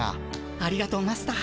ありがとうマスター。